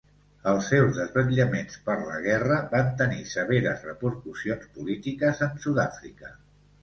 Els seus desvetllaments per la guerra van tenir severes repercussions polítiques en Sud-àfrica.